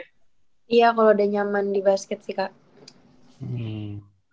iya kalau udah nyaman di basket sih kak